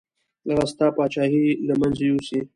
هغه ستا پاچاهي له منځه یوسي.